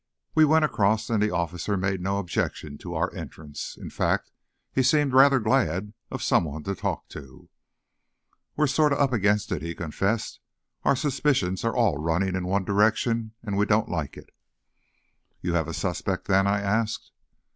We went across and the officer made no objections to our entrance. In fact, he seemed rather glad of someone to talk to. "We're sorta up against it," he confessed. "Our suspicions are all running in one direction, and we don't like it." "You have a suspect, then?" I asked.